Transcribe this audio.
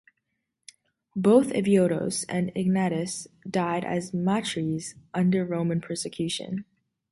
Both Evodios and Ignatius died as martyrs under Roman persecution.